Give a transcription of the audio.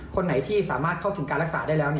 คนไหนที่สามารถเข้าถึงการรักษาได้แล้ว